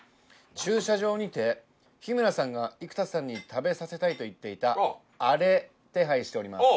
「駐車場にて日村さんが生田さんに食べさせたいと言っていた“アレ”手配しております！！」